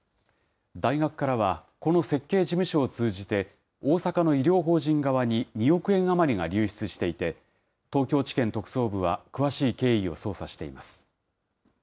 大学からは、この設計事務所を通じて、大阪の医療法人側に２億円余りが流出していて、東京地検特捜部は詳しい経緯を捜査しています。